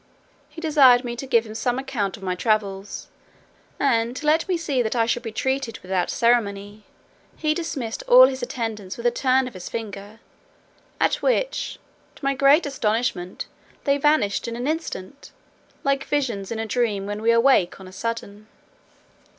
He desired me to give him some account of my travels; and, to let me see that I should be treated without ceremony, he dismissed all his attendants with a turn of his finger; at which, to my great astonishment, they vanished in an instant, like visions in a dream when we awake on a sudden.